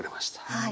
はい。